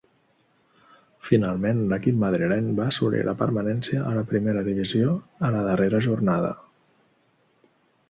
Finalment, l'equip madrileny va assolir la permanència a la primera divisió a la darrera jornada.